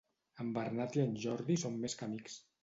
En Bernat i en Jordi són més que amics.